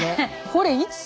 これいつ？